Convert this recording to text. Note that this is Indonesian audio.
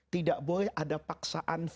tidak boleh ada paksaan